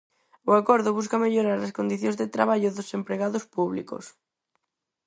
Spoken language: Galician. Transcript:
O acordo busca mellorar as condicións de traballo dos empregados públicos.